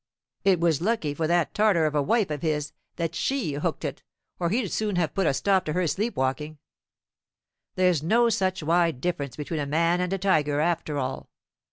It was lucky for that Tartar of a wife of his that she hook'd it, or he'd soon have put a stop to her sleep walking. There's no such wide difference between a man and a tiger, after all.